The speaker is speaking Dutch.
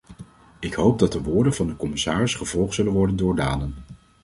Ik hoop dat de woorden van de commissaris gevolgd zullen worden door daden.